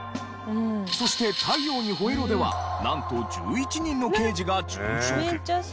そして『太陽にほえろ！』ではなんと１１人の刑事が殉職。